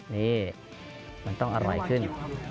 นี่มันต้องอร่อยขึ้น